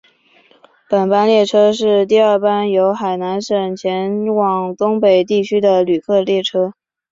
本班列车是第二班由海南省前往东北地区的旅客列车。